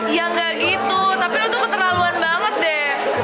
ya nggak gitu tapi lo tuh keterlaluan banget deh